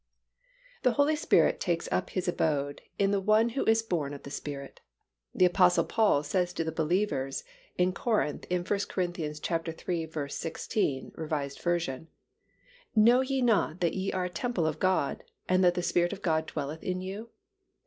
The Holy Spirit takes up His abode in the one who is born of the Spirit. The Apostle Paul says to the believers in Corinth in 1 Cor. iii. 16, R. V., "Know ye not that ye are a temple of God, and that the Spirit of God dwelleth in you?"